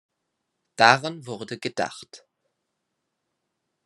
Daran wurde gedacht.